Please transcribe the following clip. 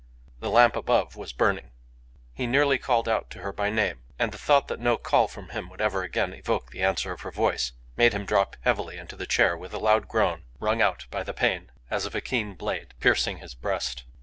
The lamp above was burning. He nearly called out to her by name; and the thought that no call from him would ever again evoke the answer of her voice, made him drop heavily into the chair with a loud groan, wrung out by the pain as of a keen blade piercing his breast.